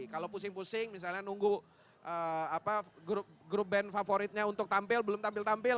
kalau pusing pusing misalnya nunggu grup band favoritnya untuk tampil belum tampil tampil